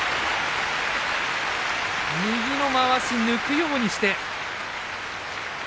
右のまわしを抜くようにして。